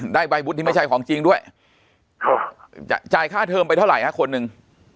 ได้ใบวุฒิที่ไม่ใช่ของจริงด้วยจ่ายค่าเทอมไปเท่าไหร่ฮะคนหนึ่ง